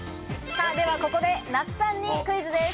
ここで那須さんにクイズです。